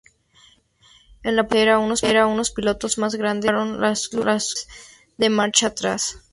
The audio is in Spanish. En la parte trasera unos pilotos más grandes alojaron las luces de marcha atrás.